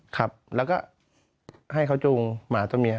ครับแล้วก็ให้เขาจูงหมาตัวเมีย